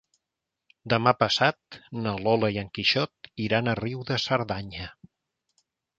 Demà passat na Lola i en Quixot iran a Riu de Cerdanya.